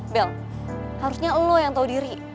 bel harusnya lo yang tahu diri